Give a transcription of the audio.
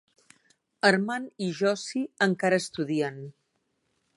Armand i Josie encara estudien.